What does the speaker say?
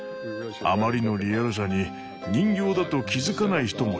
あまりのリアルさに人形だと気付かない人もいたほどです。